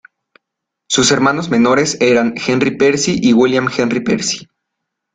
Sus hermanos menores eran Henry Percy y William Henry Percy.